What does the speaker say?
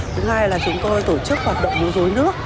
thứ hai là chúng tôi tổ chức hoạt động lưu dối nước